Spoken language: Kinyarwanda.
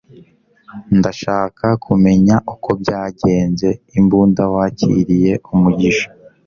ndashaka kumenya uko byagenze imbunda wakiriye mugisha